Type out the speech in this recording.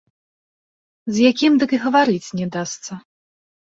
З якім дык і гаварыць не дасца.